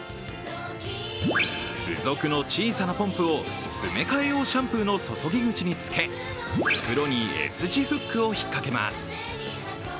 付属の小さなポンプを詰め替え用シャンプーの注ぎ口につけ、袋にＳ字フックを引っかけます。